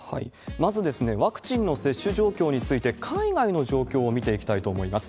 まず、ワクチンの接種状況について、海外の状況を見ていきたいと思います。